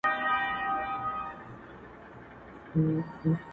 • تر سالو لاندي ګامونه -